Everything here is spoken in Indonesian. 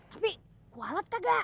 tapi kualet kagak